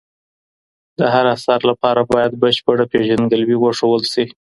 د هر اثر لپاره باید بشپړه پېژندګلوي وښودل شي.